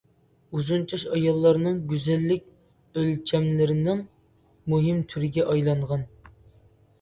ئۇزۇن چاچ ئاياللارنىڭ گۈزەللىك ئۆلچەملىرىنىڭ مۇھىم تۈرىگە ئايلانغان.